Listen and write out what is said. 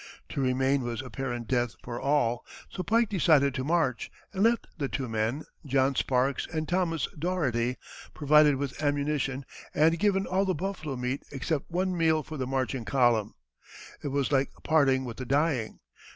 To remain was apparent death for all, so Pike decided to march, and left the two men, John Sparks and Thomas Dougherty, provided with ammunition, and given all the buffalo meat except one meal for the marching column. It was like parting with the dying.